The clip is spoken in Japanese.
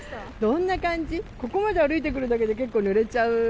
ここまで歩いてくるだけで結構、ぬれちゃう。